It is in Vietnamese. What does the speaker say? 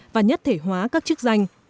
và nhất thể hóa các chức danh